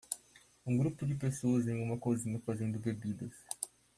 Um grupo de pessoas em uma cozinha fazendo bebidas.